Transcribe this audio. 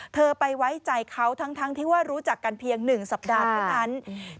เธอไปไว้ใจเขาทั้งที่ว่ารู้จักกันเพียง๑สัปดาห์เท่านั้น